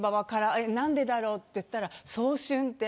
えっなんでだろうっていったら「早春」って。